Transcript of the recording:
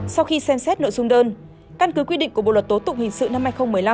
sau khi xem xét nội dung đơn căn cứ quy định của bộ luật tố tụng hình sự năm hai nghìn một mươi năm